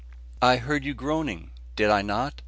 "I heard you groaning, did I not?